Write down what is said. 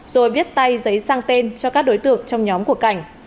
rồi viết tay giấy sang tên cho các đối tượng trong nhóm của cảnh